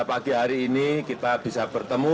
pagi hari ini kita bisa bertemu